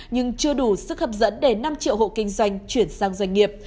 nhưng chưa đủ sức hấp dẫn để năm triệu hộ kinh doanh chuyển sang doanh nghiệp